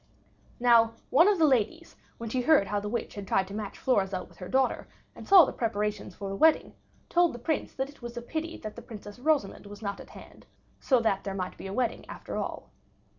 Now, one of the ladies, when she heard how the witch had tried to match Florizel with her daughter, and saw the preparations for the wedding, told the Prince that it was a pity that the Princess Rosamond were not at hand, so that there might be a wedding after all.